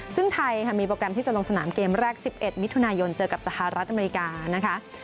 ซึ่งไทยค่ะมีโปรแกรมที่จะลงสนามเกมแรก๑๑มิถุนายนเจอกับสหรัฐอเมริกานะคะ